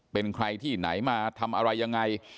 เป็นใครที่ไหนมาทำอะไรยังไง